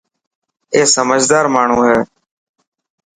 اي سمجهدار ماڻهو هي.